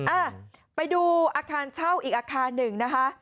เออไปดูอาคารเช่าอีกอาคาร๑นะคะ